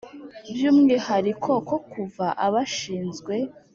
by'umwihariko ko kuva , abashinzwe